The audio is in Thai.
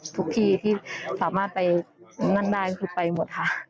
ทุกที่ที่สามารถไปนั่นได้ก็คือไปหมดค่ะ